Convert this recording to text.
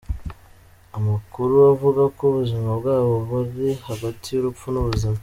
Amakuru avuga ko ubuzima bwabo buri hagati y’urupfu n’ubuzima.